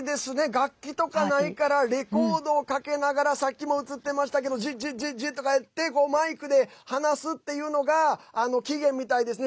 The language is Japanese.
楽器とかないからレコードをかけながらさっきも映ってましたけどジ、ジ、ジ、ジとかやってそれが起源みたいですね。